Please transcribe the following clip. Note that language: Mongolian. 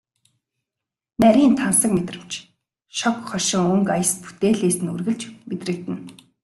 Нарийн тансаг мэдрэмж, шог хошин өнгө аяс бүтээлээс нь үргэлж мэдрэгдэнэ.